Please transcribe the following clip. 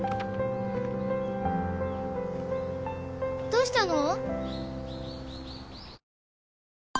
どうしたの？